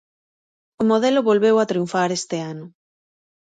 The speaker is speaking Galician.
O modelo volveu a triunfar este ano.